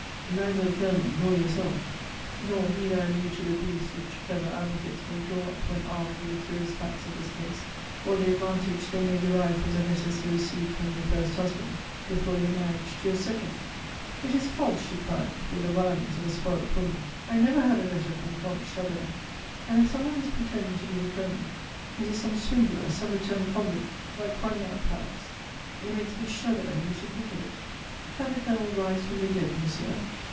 "Neither the Colonel nor yourself. Nor need I allude to the briefs which clever advocates may draw up when armed with the curious facts of this case, or the advantage they may derive from the letters you received from your first husband before your marriage to your second." "It is false," she cried, with the violence of a spoilt woman. "I never had a letter from Comte Chabert; and if some one is pretending to be the Colonel, it is some swindler, some returned convict, like Coignard perhaps. It makes me shudder only to think of it. Can the Colonel rise from the dead, monsieur?